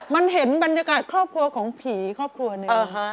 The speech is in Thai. มันเห็นบรรยากาศครอบครัวของผีครอบครัวหนึ่ง